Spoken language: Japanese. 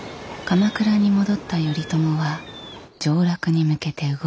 鎌倉に戻った頼朝は上洛に向けて動き出す。